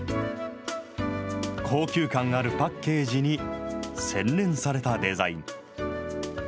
高級感あるパッケージに、洗練されたデザイン。